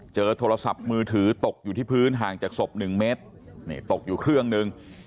โทรศัพท์มือถือตกอยู่ที่พื้นห่างจากศพ๑เมตรนี่ตกอยู่เครื่องหนึ่ง